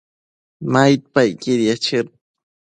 maidpacquidiec chëd